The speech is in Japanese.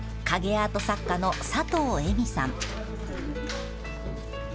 アート作家の佐藤江未さん。